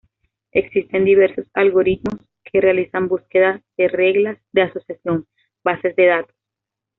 Existen diversos algoritmos que realizan búsquedas de reglas de asociación bases de datos.